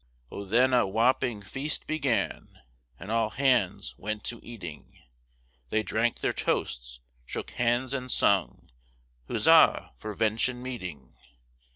O then a whopping feast began, And all hands went to eating, They drank their toasts, shook hands and sung Huzza for 'Vention meeting!